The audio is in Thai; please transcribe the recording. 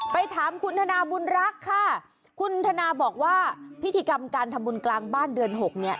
ไปถามคุณธนาบุญรักษ์ค่ะคุณธนาบอกว่าพิธีกรรมการทำบุญกลางบ้านเดือนหกเนี่ย